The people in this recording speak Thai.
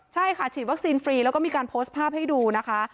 ใช่ค่ะฉีดวัคซีนฟรีแล้วก็มีการโพสต์ภาพให้ดูนะคะ